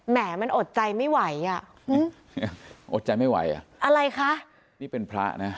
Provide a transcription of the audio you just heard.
แหมมันอดใจไม่ไหวอ่ะอืมอดใจไม่ไหวอ่ะอะไรคะนี่เป็นพระนะ